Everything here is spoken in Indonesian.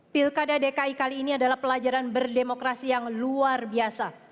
pilkada dki kali ini adalah pelajaran berdemokrasi yang luar biasa